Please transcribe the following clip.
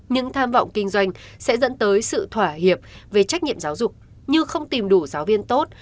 những tham vọng kinh doanh sẽ dẫn tới sự thỏa hiệp về trách nhiệm giáo dục như không tìm đủ giáo viên tốt